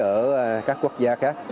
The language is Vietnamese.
ở các quốc gia khác